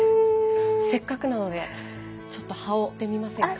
せっかくなのでちょっと羽織ってみませんか？